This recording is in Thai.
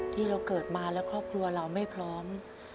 ที่เราเกิดมาแล้วครอบครัวเราไม่พร้อม